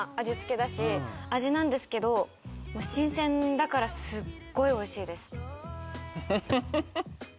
味なんですけど新鮮だからすごいおいしいです。